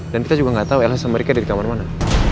dan kita juga nggak tahu lsm mereka ada di kamar mana